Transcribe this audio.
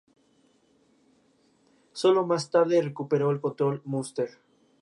Jugaba como defensa central y su último equipo fue el Águilas Doradas de Colombia.